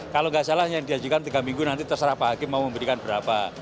kalau nggak salah yang diajukan tiga minggu nanti terserah pak hakim mau memberikan berapa